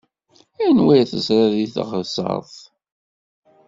Anwa i teẓṛiḍ deg teɣseṛt?